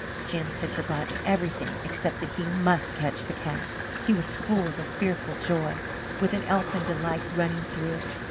Jims had forgotten everything except that he must catch the cat. He was full of a fearful joy, with an elfin delight running through it.